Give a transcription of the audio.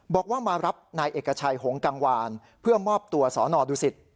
บอกว่ามารับนายเอกชัยหงกังวานเพื่อมอบตัวสอนอดูสิต